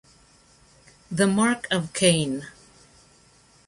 The Mark of Cain